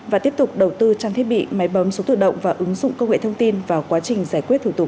và tiếp tục đầu tư trang thiết bị máy bấm số tự động và ứng dụng công nghệ thông tin vào quá trình giải quyết thủ tục